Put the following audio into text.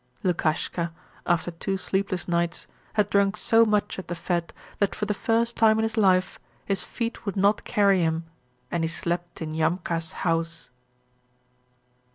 Lukashka, after two sleepless nights, had drunk so much at the fete that for the first time in his life his feet would not carry him, and he slept in Yamka's house.